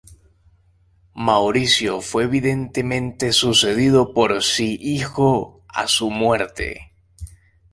Maurizio fue evidentemente sucedido por si hijo a su muerte.